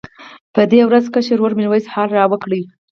په دې ورځ کشر ورور میرویس حال راوکړ.